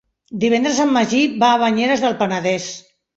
Divendres en Magí va a Banyeres del Penedès.